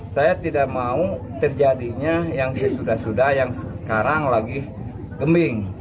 saya tidak mau terjadinya yang sudah sudah yang sekarang lagi geming